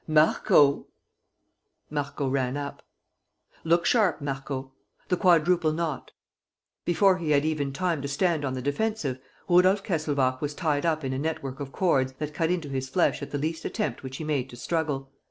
"Marco!" Marco ran up. "Look sharp, Marco! The quadruple knot!" Before he had even time to stand on the defensive, Rudolf Kesselbach was tied up in a network of cords that cut into his flesh at the least attempt which he made to struggle.